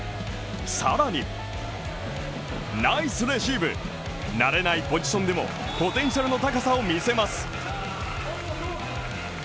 更にナイスレシーブ、慣れないポジションでもポテンシャルの高さを見せます。